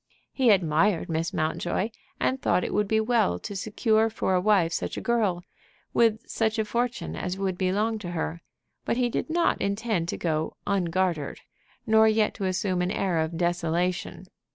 He admired Miss Mountjoy, and thought it would be well to secure for a wife such a girl, with such a fortune as would belong to her. But he did not intend to go "ungartered," nor yet to assume an air of "desolation."